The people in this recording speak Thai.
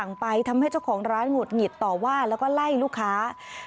ไปทำให้เจ้าของร้านหุดหงิดต่อว่าแล้วก็ไล่ลูกค้า